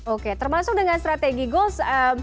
oke termasuk dengan strategi guls